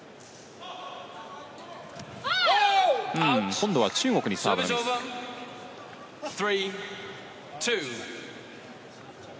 今度は中国にサーブのミス。